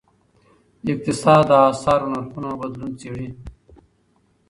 اقتصاد د اسعارو نرخونو بدلون څیړي.